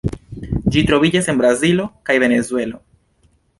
Ĝi troviĝas en Brazilo kaj Venezuelo.